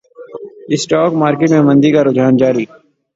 stock market میں مندی کا رجحان جاری